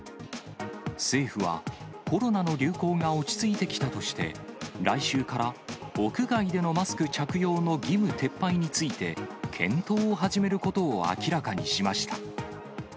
政府はコロナの流行が落ち着いてきたとして、来週から屋外でのマスク着用の義務撤廃について、検討を始めることを明らかにしました。